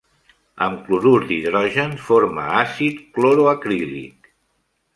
Amb clorur d'hidrogen forma àcid cloroacrílic.